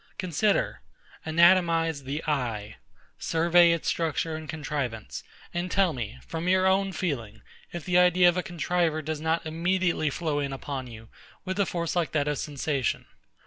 Consider, anatomise the eye; survey its structure and contrivance; and tell me, from your own feeling, if the idea of a contriver does not immediately flow in upon you with a force like that of sensation.